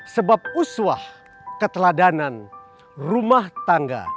sebab uswah keteladanan rumah tangga